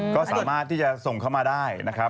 ก็สามารถที่จะส่งเข้ามาได้นะครับ